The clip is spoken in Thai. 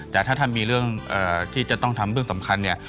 แต่ถ้าท่านมีเรื่องที่จะต้องทำเรื่องสำคัญเนี่ย